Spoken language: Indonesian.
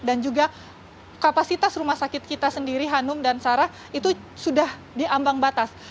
dan juga kapasitas rumah sakit kita sendiri hanum dan sarah itu sudah diambang batas